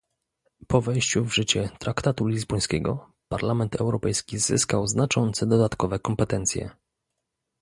Po wejściu w życie traktatu lizbońskiego Parlament Europejski zyskał znaczące dodatkowe kompetencje